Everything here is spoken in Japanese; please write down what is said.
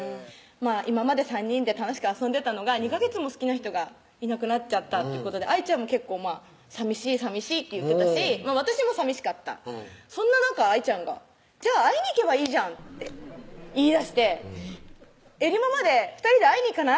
今まで３人で楽しく遊んでたのが２ヵ月も好きな人がいなくなっちゃったってことでＩちゃんも結構「さみしいさみしい」と言ってたし私もさみしかったそんな中Ｉちゃんが「じゃあ会いに行けばいいじゃん」って言いだして「えりもまで２人で会いに行かない？」